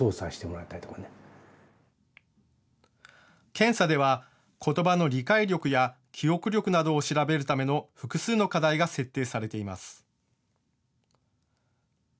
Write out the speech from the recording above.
検査では、ことばの理解力や記憶力などを調べるための複数の課題が設定されています。